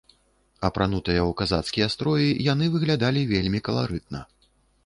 Апранутыя ў казацкія строі, яны выглядалі вельмі каларытна.